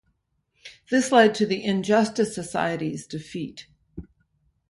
This led to the Injustice Society's defeat.